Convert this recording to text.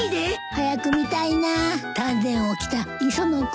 早く見たいな丹前を着た磯野君！